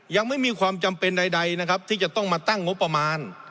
ยังไม่มีความจำเป็นใดนะครับที่จะต้องมาตั้งงบประมาณ